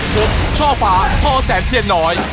พบช่อฟ้าทอแสนเทียนน้อย